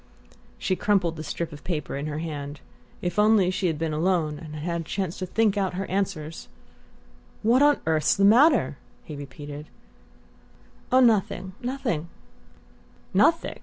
She crumpled the strip of paper in her hand. If only she had been alone, had had a chance to think out her answers! "What on earth's the matter?" he repeated. "Oh, nothing nothing." "Nothing?